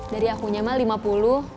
dari akunya mah rp lima puluh